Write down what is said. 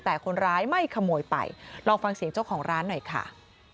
แต่คนร้ายไม่ขโมยไปลองฟังเสียงเจ้าของร้านหน่อยค่ะ